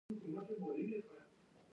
وده محدوده ده.